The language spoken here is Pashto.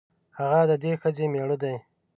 هغه د دې ښځې مېړه دی.